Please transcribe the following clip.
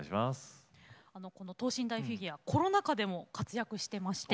この等身大フィギュアコロナ禍でも活躍してまして。